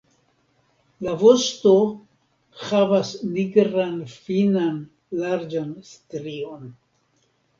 La vosto havas nigran finan larĝan strion.